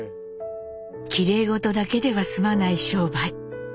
きれいごとだけでは済まない商売。